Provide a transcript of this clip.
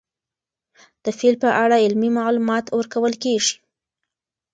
د فیل په اړه علمي معلومات ورکول کېږي.